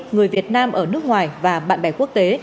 người việt nam ở nước ngoài và bạn bè quốc tế